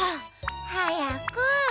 はやく。